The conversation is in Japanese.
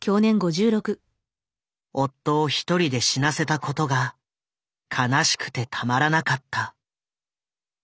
夫を一人で死なせたことが悲しくてたまらなかった。